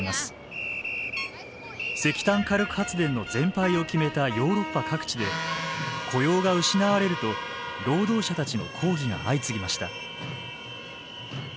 石炭火力発電の全廃を決めたヨーロッパ各地で雇用が失われると労働者たちの抗議が相次ぎました。